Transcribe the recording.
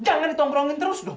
jangan ditongkrongin terus dong